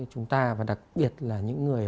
chúng ta và đặc biệt là những người